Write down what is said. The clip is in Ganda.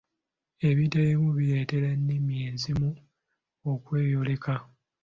Ebintu ebimu bireetera ennimi ezimu okweyoleka n'obuteeyoleka ku bupande obuteekebwa mu mpya z'amasomero.